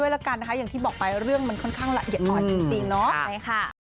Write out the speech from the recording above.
แล้วก็ให้เวลาแม่ให้มากที่สุด